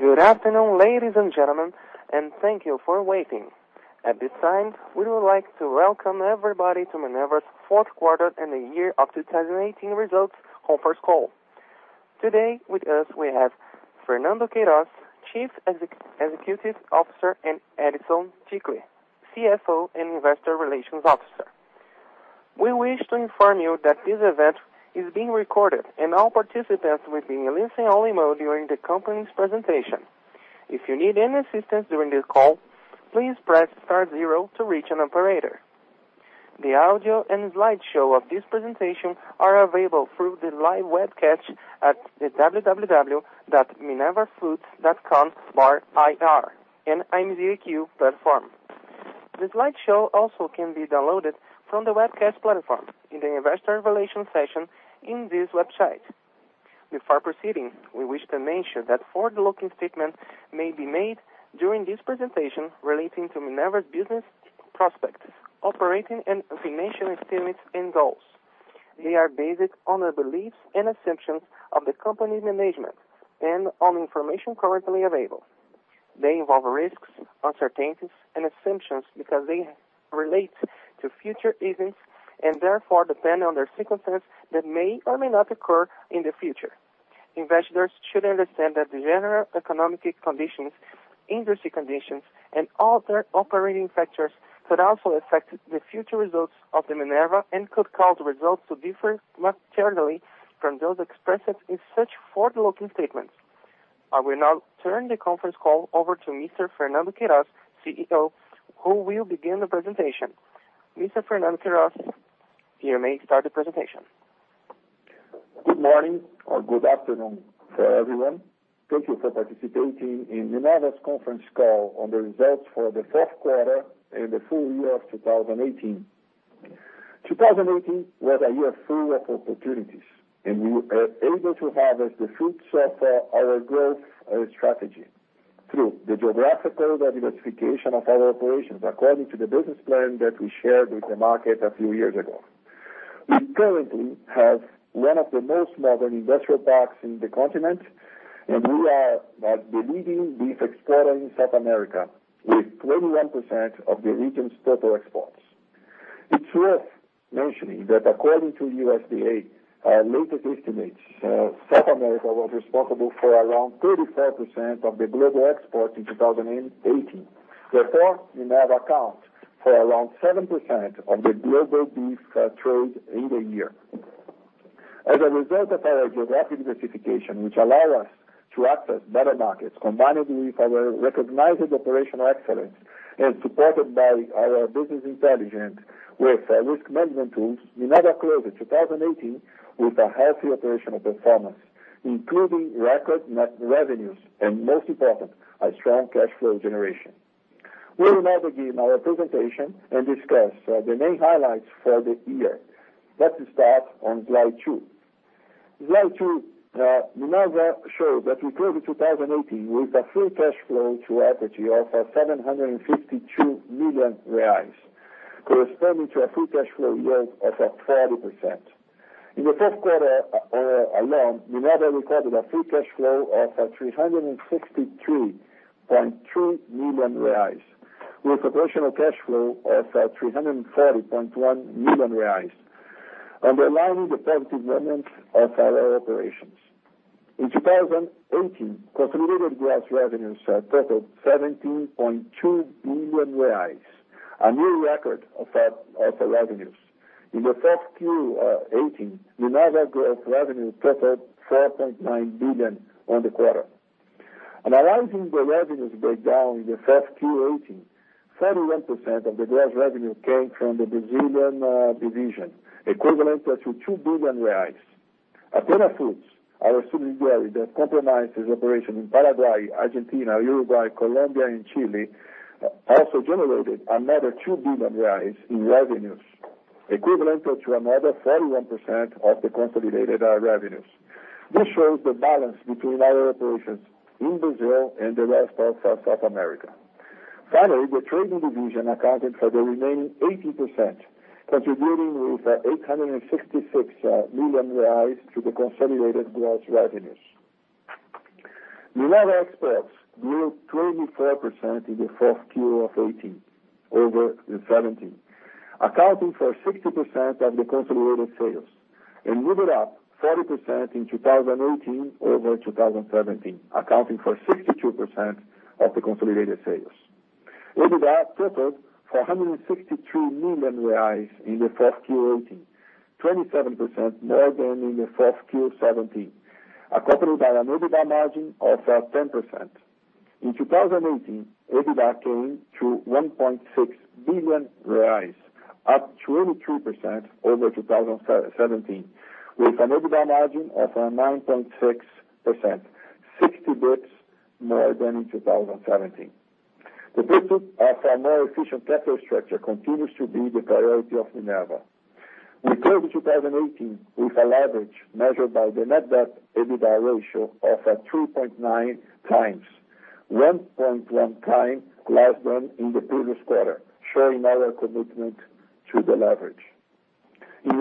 Good afternoon, ladies and gentlemen. Thank you for waiting. At this time, we would like to welcome everybody to Minerva's Fourth Quarter and the Year of 2018 Results Conference Call. Today with us, we have Fernando Queiroz, Chief Executive Officer, and Edison Ticle, CFO and Investor Relations Officer. We wish to inform you that this event is being recorded, and all participants will be in listen-only mode during the company's presentation. If you need any assistance during this call, please press star zero to reach an operator. The audio and slideshow of this presentation are available through the live webcast at minervafoods.com/ir in MZiQ platform. The slideshow also can be downloaded from the webcast platform in the investor relations section on this website. Before proceeding, we wish to mention that forward-looking statements may be made during this presentation relating to Minerva's business prospects, operating and financial experience, and goals. They are based on the beliefs and assumptions of the company management and on information currently available. They involve risks, uncertainties, and assumptions because they relate to future events, and therefore, depend on their circumstances that may or may not occur in the future. Investors should understand that the general economic conditions, industry conditions, and other operating factors could also affect the future results of Minerva and could cause the results to differ materially from those expressed in such forward-looking statements. I will now turn the conference call over to Mr. Fernando Queiroz, CEO, who will begin the presentation. Mr. Fernando Queiroz, you may start the presentation. Good morning or good afternoon to everyone. Thank you for participating in Minerva's conference call on the results for the fourth quarter and the full year of 2018. 2018 was a year full of opportunities. We were able to harvest the fruits of our growth strategy through the geographical diversification of our operations according to the business plan that we shared with the market a few years ago. We currently have one of the most modern industrial parks on the continent. We are the leading beef exporter in South America with 21% of the region's total exports. It's worth mentioning that according to the USDA's latest estimates, South America was responsible for around 34% of the global export in 2018. Therefore, Minerva accounts for around 7% of the global beef trade in the year. As a result of our geographic diversification, which allow us to access better markets, combined with our recognized operational excellence and supported by our business intelligence with risk management tools, Minerva closed 2018 with a healthy operational performance, including record net revenues, and most important, a strong cash flow generation. We will now begin our presentation and discuss the main highlights for the year. Let's start on slide two. Slide 2, Minerva shows that we closed 2018 with a free cash flow to entity of 752 million reais, corresponding to a free cash flow yield of 40%. In the fourth quarter alone, Minerva recorded a free cash flow of 363.3 million reais, with operational cash flow of 340.1 million reais, underlying the positive momentum of our operations. In 2018, consolidated gross revenues totaled BRL 17.2 billion, a new record of revenues. In the fourth Q 2018, Minerva gross revenue totaled 4.9 billion on the quarter. Analyzing the revenues breakdown in the first Q 2018, 41% of the gross revenue came from the Brazilian division, equivalent to 2 billion reais. Athena Foods, our subsidiary that comprises operations in Paraguay, Argentina, Uruguay, Colombia, and Chile, also generated another 2 billion reais in revenues, equivalent to another 31% of the consolidated revenues. This shows the balance between our operations in Brazil and the rest of South America. Finally, the trading division accounted for the remaining 18%, contributing with 866 million reais to the consolidated gross revenues. Minerva exports grew 24% in the fourth Q 2018 over 2017, accounting for 60% of the consolidated sales and moved up 40% in 2018 over 2017, accounting for 62% of the consolidated sales. EBITDA totaled 463 million reais in the fourth Q 2018, 27% more than in the fourth Q 2017, accompanied by an EBITDA margin of 10%. In 2018, EBITDA came to 1.6 billion reais, up 23% over 2017, with an EBITDA margin of 9.6%, 60 basis points more than in 2017. The pursuit of a more efficient capital structure continues to be the priority of Minerva. We closed 2018 with a leverage measured by the net debt/EBITDA ratio of 3.9x, 1.1x less than in the previous quarter, showing our commitment to deleverage. In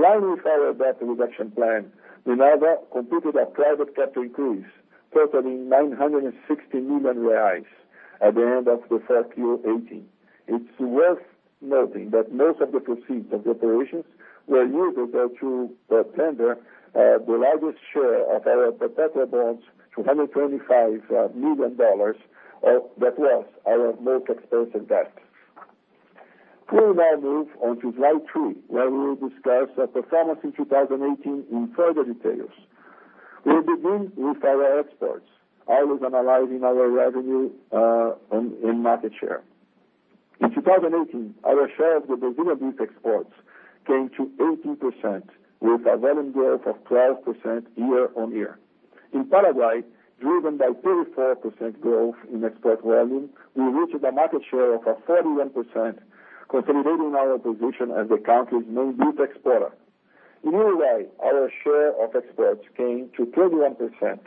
line with our debt reduction plan, Minerva completed a private capital increase totaling 960 million reais at the end of the fourth Q 2018. It's worth noting that most of the proceeds of the operations were used to tender the largest share of our perpetual bonds, $225 million, that was our most expensive debt. We will now move on to slide three, where we will discuss our performance in 2018 in further details. We will begin with our exports, always analyzing our revenue and market share. In 2018, our share of the Brazilian beef exports came to 18%, with a volume growth of 12% year-on-year. In Paraguay, driven by 34% growth in export volume, we reached a market share of 31%, consolidating our position as the country's main beef exporter. In Uruguay, our share of exports came to 31%,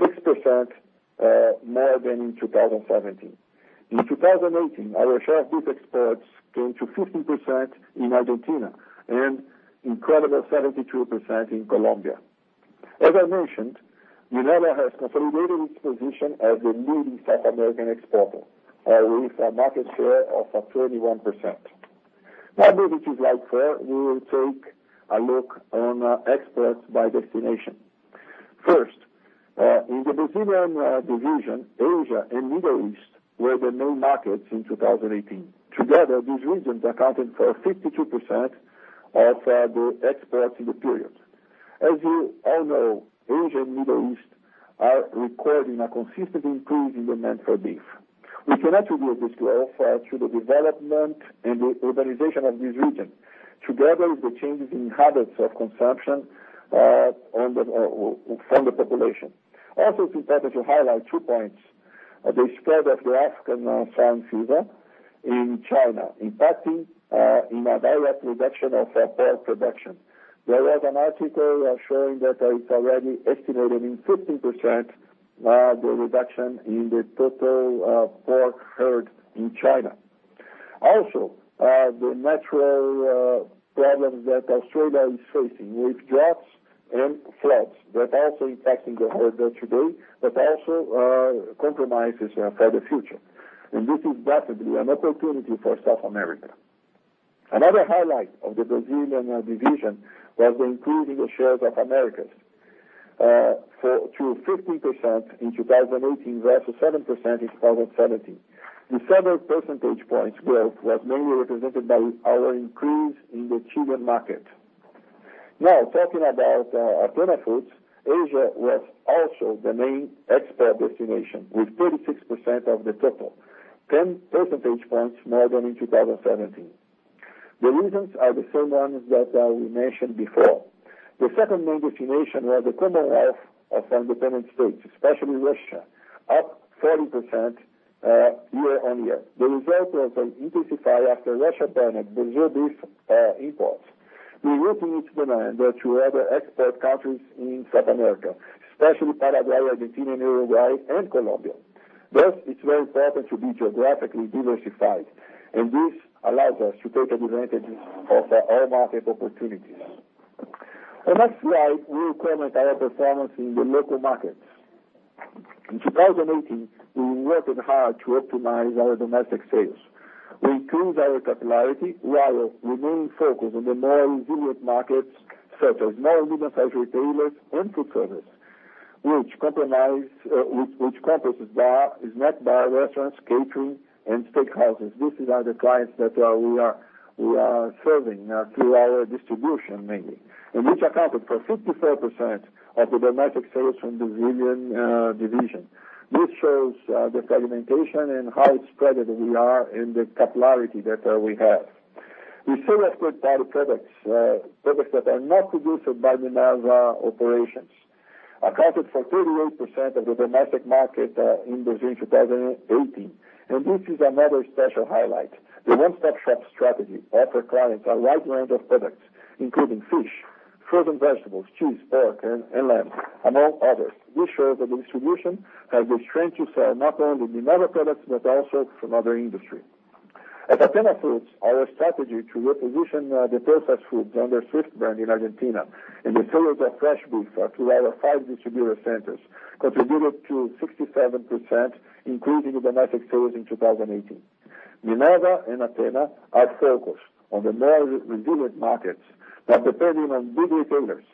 6% more than in 2017. In 2018, our share of beef exports came to 15% in Argentina and incredible 72% in Colombia. As I mentioned, Minerva has consolidated its position as the leading South American exporter, with a market share of 31%. Now moving to slide 4, we will take a look on exports by destination. First, in the Brazilian division, Asia and Middle East were the main markets in 2018. Together, these regions accounted for 52% of the exports in the period. As you all know, Asia and Middle East are recording a consistent increase in demand for beef. We can attribute this growth to the development and the urbanization of this region, together with the changes in habits of consumption from the population. Also, it's important to highlight two points. The spread of the African swine fever in China, impacting in a direct reduction of pork production. There was an article showing that it's already estimated in 15% the reduction in the total pork herd in China. Also, the natural problems that Australia is facing with droughts and floods that also impacting the herd there today, but also compromises for the future. This is possibly an opportunity for South America. Another highlight of the Brazilian division was the increase in the share of Americas to 15% in 2018, versus 7% in 2017. The seven percentage points growth was mainly represented by our increase in the Chilean market. Talking about Athena Foods, Asia was also the main export destination with 36% of the total, 10 percentage points more than in 2017. The reasons are the same ones that we mentioned before. The second main destination was the Commonwealth of Independent States, especially Russia, up 40% year-over-year. The result was intensified after Russia banned the Brazilian beef imports. We routinely demand that you have export countries in South America, especially Paraguay, Argentina, Uruguay, and Colombia. It's very important to be geographically diversified, and this allows us to take advantage of all market opportunities. On the next slide, we will comment our performance in the local markets. In 2018, we worked hard to optimize our domestic sales. We improved our capillarity while remaining focused on the more resilient markets, such as small and medium-sized retailers and foodservice, which comprises snack bar, restaurants, catering, and steakhouses. These are the clients that we are serving through our distribution mainly, and which accounted for 54% of the domestic sales from Brazilian division. This shows the segmentation and how spread we are and the capillarity that we have. We still export party products that are not produced by Minerva operations, accounted for 38% of the domestic market in Brazilian 2018. This is another special highlight. The one-stop-shop strategy offer clients a wide range of products, including fish, frozen vegetables, cheese, pork, and lamb, among others. We show that the distribution has the strength to sell not only Minerva products but also from other industry. At Athena Foods, our strategy to reposition the processed foods under Swift brand in Argentina and the sales of fresh beef through our five distributor centers contributed to 67%, including the domestic sales in 2018. Minerva and Athena are focused on the more resilient markets not depending on big retailers,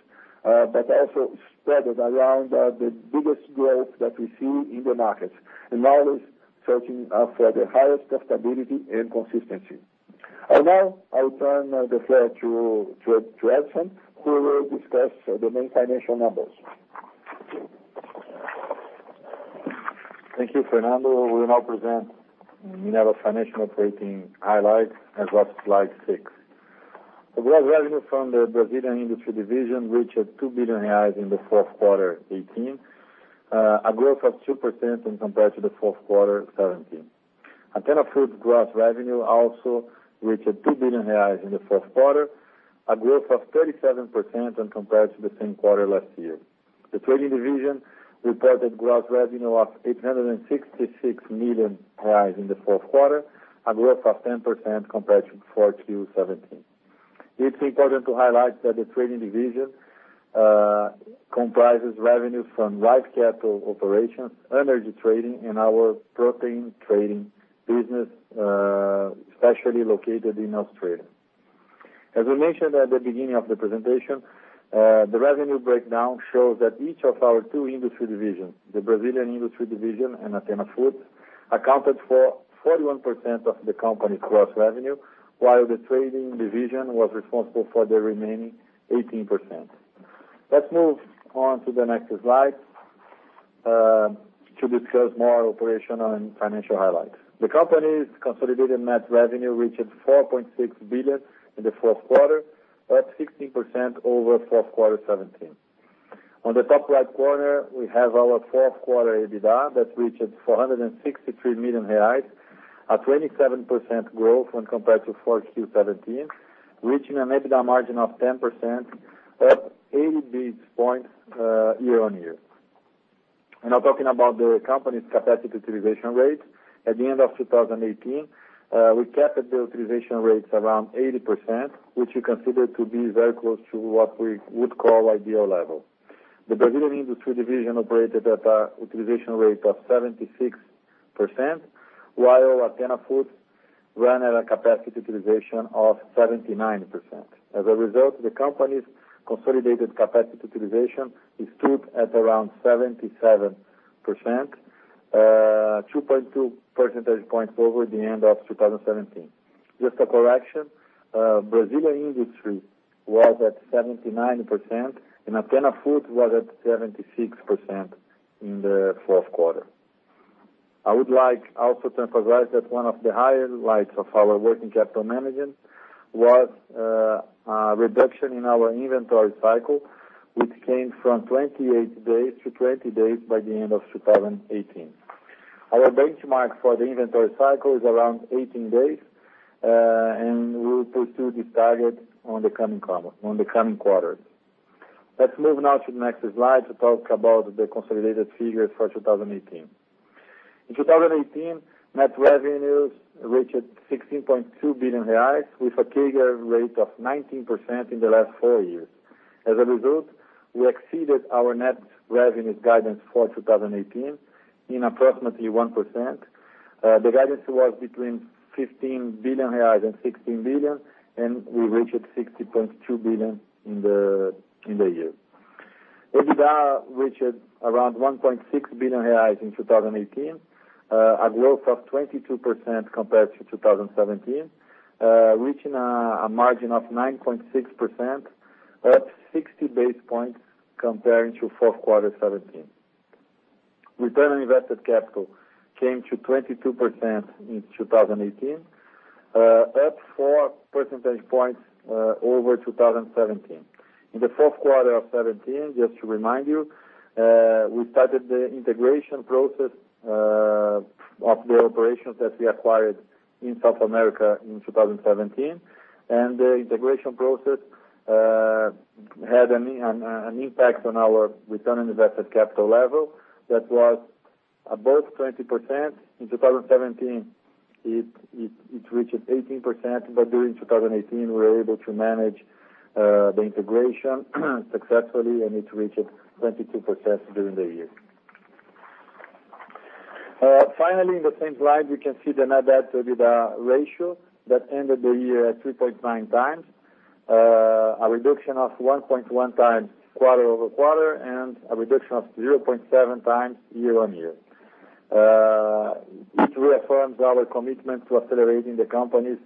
but also spread around the biggest growth that we see in the markets, and always searching for the highest profitability and consistency. Now, I will turn the floor to Edison, who will discuss the main financial numbers. Thank you, Fernando. We will now present Minerva financial operating highlights as of slide 6. The gross revenue from the Brazilian industry division reached 2 billion reais in the fourth quarter 2018, a growth of 2% in comparison to the fourth quarter 2017. Athena Foods' gross revenue also reached 2 billion reais in the fourth quarter, a growth of 37% compared to the same quarter last year. The trading division reported gross revenue of 866 million reais in the fourth quarter, a growth of 10% compared to Q4 2017. It's important to highlight that the trading division comprises revenue from live cattle operations, energy trading, and our protein trading business, especially located in Australia. As we mentioned at the beginning of the presentation, the revenue breakdown shows that each of our two industry divisions, the Brazilian industry division and Athena Foods, accounted for 41% of the company's gross revenue, while the trading division was responsible for the remaining 18%. Let's move on to the next slide to discuss more operational and financial highlights. The company's consolidated net revenue reached 4.6 billion in the fourth quarter, up 16% over fourth quarter 2017. On the top right corner, we have our fourth quarter EBITDA, that reached 463 million reais, a 27% growth when compared to fourth quarter 2017, reaching an EBITDA margin of 10%, up 80 basis points year-on-year. Now talking about the company's capacity utilization rate. At the end of 2018, we kept the utilization rates around 80%, which we consider to be very close to what we would call ideal level. The Brazilian industry division operated at a utilization rate of 76%, while Athena Foods ran at a capacity utilization of 79%. As a result, the company's consolidated capacity utilization stood at around 77%, 2.2 percentage points over the end of 2017. Just a correction, Brazilian industry was at 79%, and Athena Foods was at 76% in the fourth quarter. I would like also to emphasize that one of the highlights of our working capital management was a reduction in our inventory cycle, which came from 28 days to 20 days by the end of 2018. Our benchmark for the inventory cycle is around 18 days, and we will pursue this target on the coming quarters. Let's move now to the next slide to talk about the consolidated figures for 2018. In 2018, net revenues reached 16.2 billion reais with a CAGR rate of 19% in the last four years. As a result, we exceeded our net revenue guidance for 2018 in approximately 1%. The guidance was between 15 billion reais and 16 billion, and we reached 16.2 billion in the year. EBITDA reached around 1.6 billion reais in 2018, a growth of 22% compared to 2017, reaching a margin of 9.6%, up 60 basis points comparing to fourth quarter 2017. Return on invested capital came to 22% in 2018, up four percentage points over 2017. In the fourth quarter of 2017, just to remind you, we started the integration process of the operations that we acquired in South America in 2017. The integration process had an impact on our return on invested capital level that was above 20%. In 2017, it reached 18%, but during 2018, we were able to manage the integration successfully, and it reached 22% during the year. Finally, in the same slide, we can see the net debt-to-EBITDA ratio that ended the year at 3.9x. A reduction of 1.1x quarter-over-quarter, and a reduction of 0.7x year-on-year. It reaffirms our commitment to accelerating the company's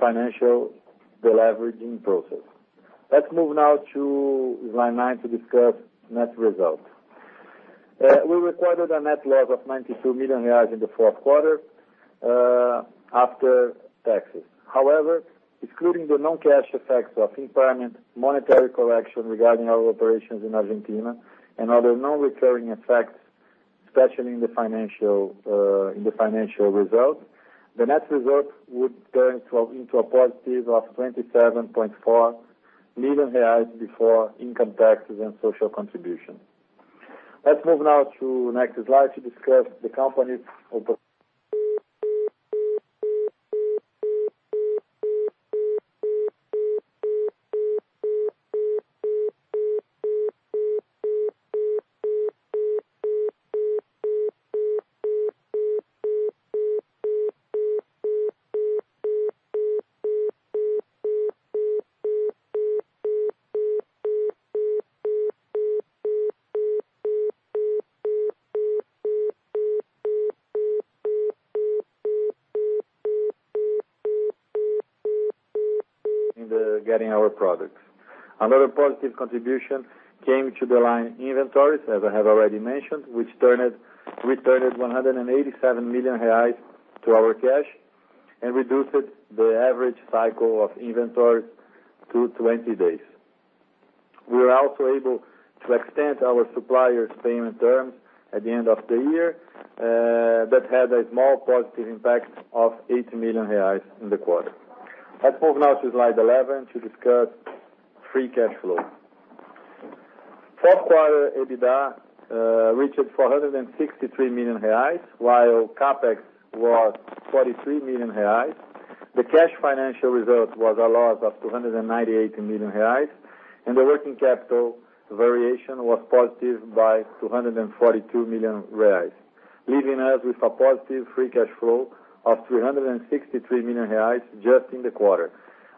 financial deleveraging process. Let's move now to slide nine to discuss net results. We recorded a net loss of 92 million reais in the fourth quarter after taxes. However, excluding the non-cash effects of impairment, monetary correction regarding our operations in Argentina, and other non-recurring effects, especially in the financial result, the net result would turn into a positive of 27.4 million reais before income taxes and social contribution. Another positive contribution came to the line inventories, as I have already mentioned, which returned 187 million reais to our cash and reduced the average cycle of inventories to 20 days. We were also able to extend our suppliers' payment terms at the end of the year, that had a small positive impact of 80 million reais in the quarter. Let's move now to slide 11 to discuss free cash flow. Fourth quarter EBITDA reached 463 million reais, while CapEx was 43 million reais. The cash financial result was a loss of 298 million reais, and the working capital variation was positive by 242 million reais, leaving us with a positive free cash flow of 363 million reais just in the quarter.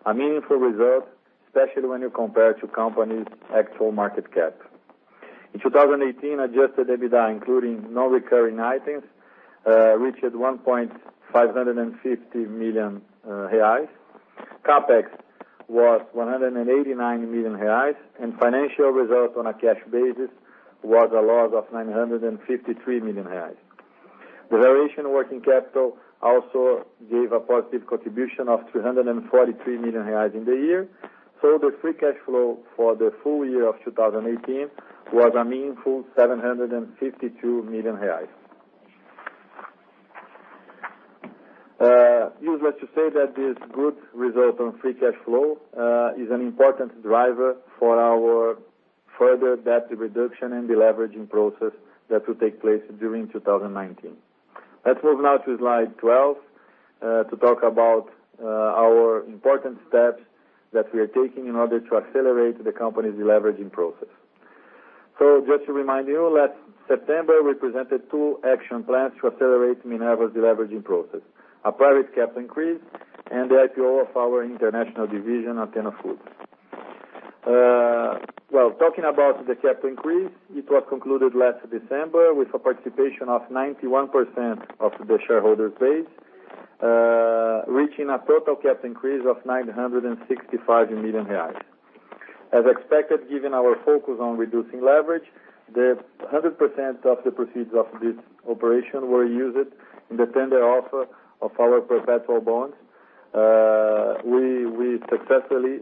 A meaningful result, especially when you compare to company's actual market cap. In 2018, adjusted EBITDA, including non-recurring items, reached 1,550 million reais. CapEx was 189 million reais, financial results on a cash basis was a loss of 953 million reais. The variation of working capital also gave a positive contribution of 343 million reais in the year. The free cash flow for the full year of 2018 was a meaningful BRL 752 million. Needless to say that this good result on free cash flow is an important driver for our further debt reduction and deleveraging process that will take place during 2019. Let's move now to slide 12, to talk about our important steps that we are taking in order to accelerate the company's deleveraging process. Just to remind you, last September, we presented two action plans to accelerate Minerva's deleveraging process, a private cap increase and the IPO of our international division, Athena Foods. Talking about the cap increase, it was concluded last December with a participation of 91% of the shareholders base, reaching a total cap increase of 965 million reais. As expected, given our focus on reducing leverage, the 100% of the proceeds of this operation were used in the tender offer of our perpetual bonds. We successfully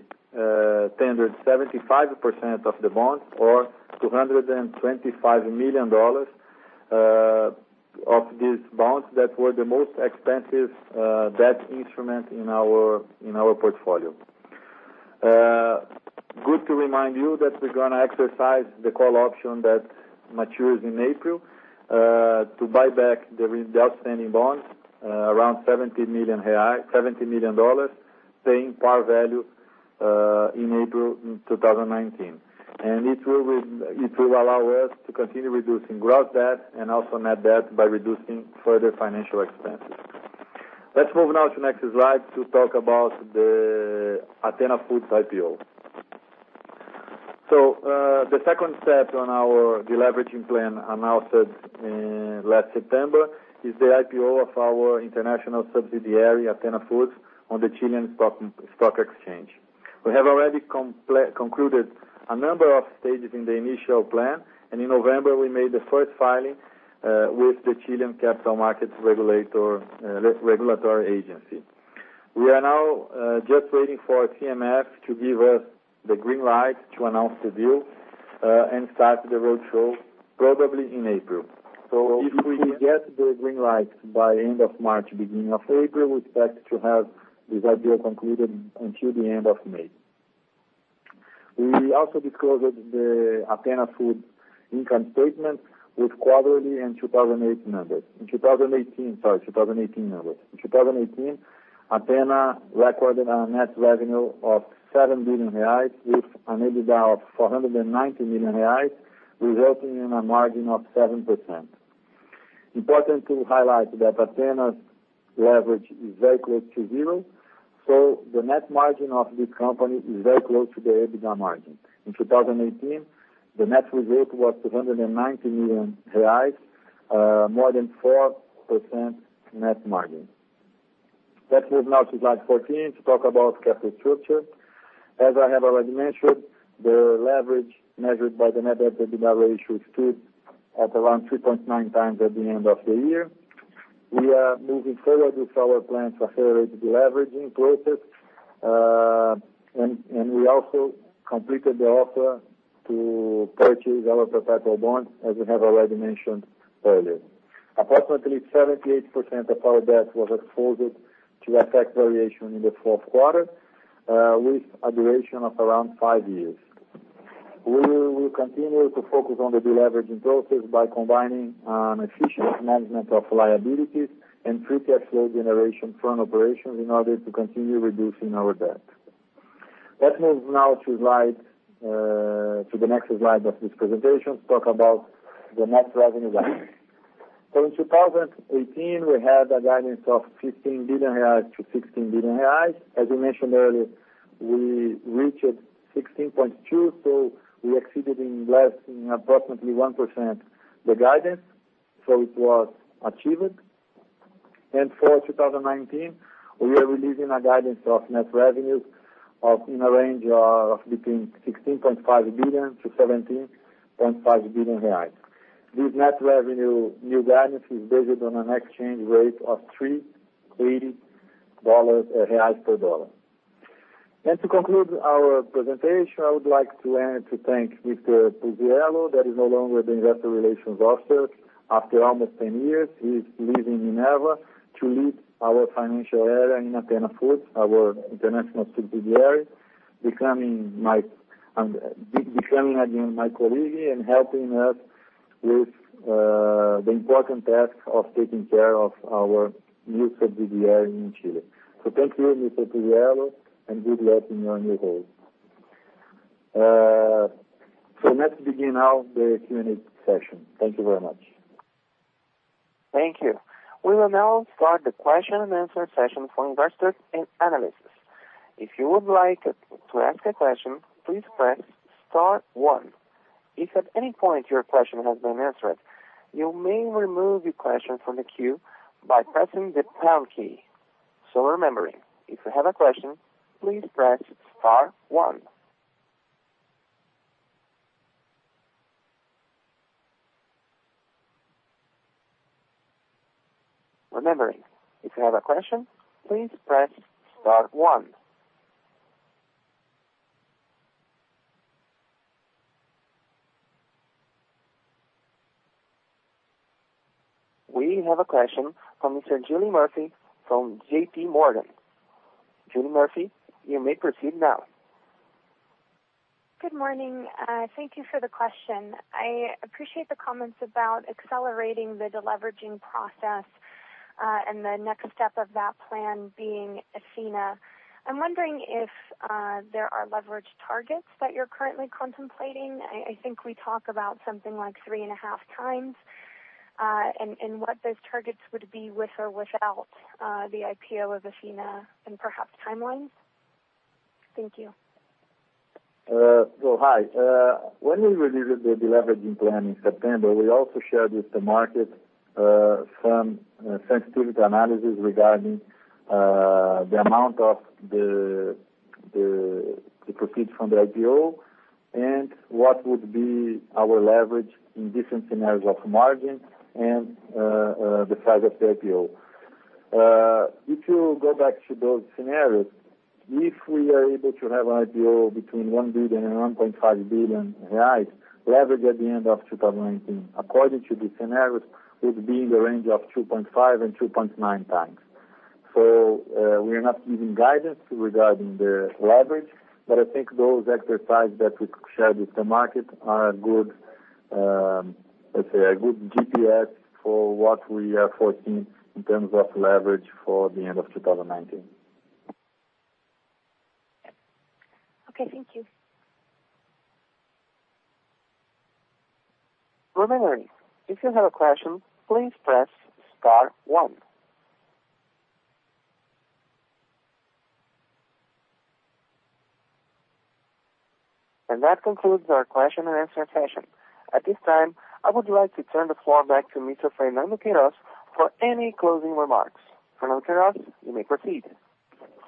tendered 75% of the bonds or $225 million of these bonds that were the most expensive debt instrument in our portfolio. Good to remind you that we're going to exercise the call option that matures in April, to buy back the outstanding bonds, around $70 million, paying par value, in April 2019. It will allow us to continue reducing gross debt and also net debt by reducing further financial expenses. Let's move now to next slide to talk about the Athena Foods' IPO. The second step on our deleveraging plan announced last September is the IPO of our international subsidiary, Athena Foods, on the Chilean Stock Exchange. We have already concluded a number of stages in the initial plan, and in November, we made the first filing with the Chilean Capital Markets regulatory agency. We are now just waiting for CMF to give us the green light to announce the deal, and start the roadshow probably in April. If we get the green light by end of March, beginning of April, we expect to have this IPO concluded until the end of May. We also disclosed the Athena Foods income statement with quarterly and 2018 numbers. In 2018 numbers. In 2018, Athena recorded a net revenue of 7 billion reais with an EBITDA of 490 million reais, resulting in a margin of 7%. Important to highlight that Athena's leverage is very close to zero, so the net margin of this company is very close to the EBITDA margin. In 2018, the net result was 290 million reais, more than 4% net margin. Let's move now to slide 14 to talk about capital structure. As I have already mentioned, the leverage measured by the net debt-to-EBITDA ratio stood at around 3.9x at the end of the year. We also completed the offer to purchase our perpetual bonds, as we have already mentioned earlier. Approximately 78% of our debt was exposed to FX variation in the fourth quarter, with a duration of around five years. We will continue to focus on the deleveraging process by combining an efficient management of liabilities and free cash flow generation from operations in order to continue reducing our debt. Let's move now to the next slide of this presentation to talk about the net revenue guidance. In 2018, we had a guidance of 15 billion-16 billion reais. As we mentioned earlier, we reached 16.2 billion, so we exceeded in approximately 1% the guidance, so it was achieved. For 2019, we are releasing a guidance of net revenue in a range of between 16.5 billion-17.5 billion reais. This net revenue new guidance is based on an exchange rate of BRL 3.80 per USD. To conclude our presentation, I would like to thank Mr. Puzziello, that is no longer the Investor Relations Officer. After almost 10 years, he is leaving Minerva to lead our financial area in Athena Foods, our international subsidiary, becoming again my colleague and helping us with the important task of taking care of our new subsidiary in Chile. Thank you, Mr. Puzziello, and good luck in your new role. Let's begin now the Q&A session. Thank you very much. Thank you. We will now start the question-and-answer session for investors and analysts. If you would like to ask a question, please press star one. If at any point your question has been answered, you may remove your question from the queue by pressing the pound key. Remembering, if you have a question, please press star one. Remembering, if you have a question, please press star one. We have a question from Ms. Julie Murphy from JPMorgan. Julie Murphy, you may proceed now. Good morning. Thank you for the question. I appreciate the comments about accelerating the deleveraging process, and the next step of that plan being Athena. I am wondering if there are leverage targets that you are currently contemplating. I think we talk about something like 3.5x, and what those targets would be with or without the IPO of Athena, and perhaps timelines. Thank you. Hi. When we released the deleveraging plan in September, we also shared with the market some sensitivity analysis regarding the amount of the proceeds from the IPO and what would be our leverage in different scenarios of margin and the size of the IPO. If you go back to those scenarios, if we are able to have an IPO between 1 billion and 1.5 billion, leverage at the end of 2019, according to the scenarios, would be in the range of 2.5x and 2.9x. We are not giving guidance regarding the leverage, but I think those exercises that we shared with the market are a good, let's say, a good GPS for what we are foreseeing in terms of leverage for the end of 2019. Okay. Thank you. Remembering, if you have a question, please press star one. That concludes our question-and-answer session. At this time, I would like to turn the floor back to Mr. Fernando Queiroz for any closing remarks. Fernando Queiroz, you may proceed.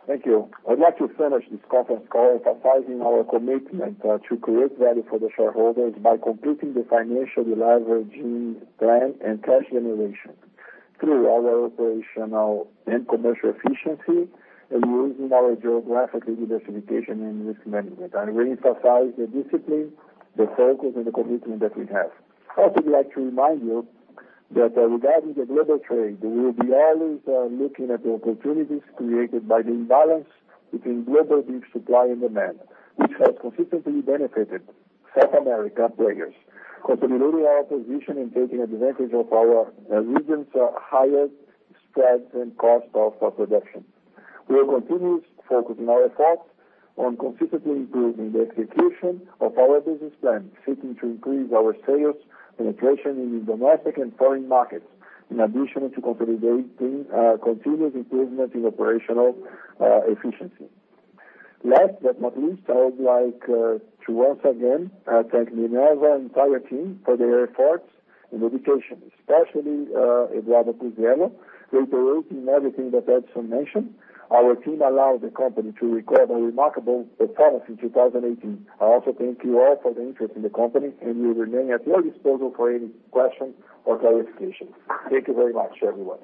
Thank you. I would like to finish this conference call emphasizing our commitment to create value for the shareholders by completing the financial deleveraging plan and cash generation through our operational and commercial efficiency, using our geographical diversification and risk management. We emphasize the discipline, the focus, and the commitment that we have. I also would like to remind you that regarding the global trade, we will be always looking at the opportunities created by the imbalance between global beef supply and demand, which has consistently benefited South America players, consolidating our position and taking advantage of our region's higher spread and cost of production. We are continuously focusing our efforts on consistently improving the execution of our business plan, seeking to increase our sales penetration in the domestic and foreign markets, in addition to continuous improvement in operational efficiency. Last but not least, I would like to once again thank the Minerva entire team for their efforts and dedication, especially Eduardo Puzziello, reiterating everything that Edison mentioned. Our team allowed the company to record a remarkable performance in 2018. I also thank you all for the interest in the company. We remain at your disposal for any questions or clarifications. Thank you very much, everyone.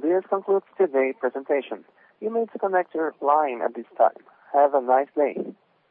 This concludes today's presentation. You may disconnect your line at this time. Have a nice day.